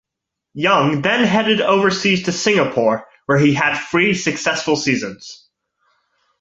Young then headed overseas to Singapore where he had three successful seasons.